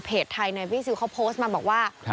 ไทยในบีซิลเขาโพสต์มาบอกว่า